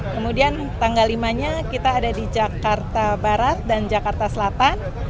kemudian tanggal lima nya kita ada di jakarta barat dan jakarta selatan